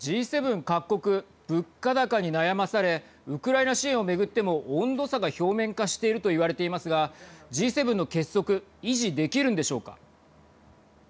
各国物価高に悩まされウクライナ支援を巡っても温度差が表面化していると言われていますがＧ７の結束維持できるんでしょうか。